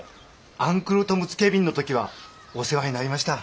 「アンクル・トムズ・ケビン」の時はお世話になりました。